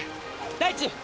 大地！